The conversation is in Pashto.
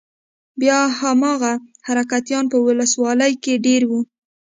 بيا هماغه حرکتيان په ولسوالۍ کښې دېره وو.